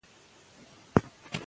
خلک له سهاره کار کوي.